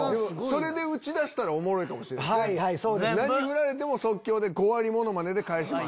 それで打ち出したらおもろいかもしれないですね。